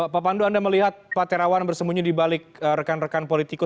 pak pandu anda melihat pak tirawan bersembunyi dibalik rekan rekan politik